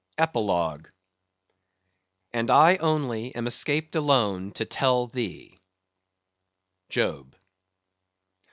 Epilogue "AND I ONLY AM ESCAPED ALONE TO TELL THEE" Job.